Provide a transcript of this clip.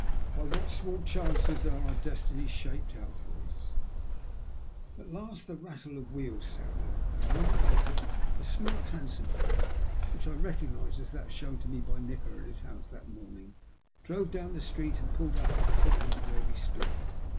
By what small chances are our destinies shaped out for us ! At last the rattle of wheels sounded, and a momjent later a smart hansom cab, which I recognised as that shown me by Nikola at his house that morning, drove down the street and pulled up at the corner where we stood.